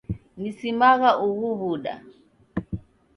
Nisimagha ughu w'uda.